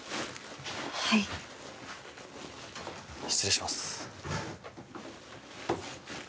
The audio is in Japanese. はい失礼します